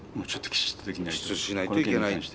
きちっとしないといけない。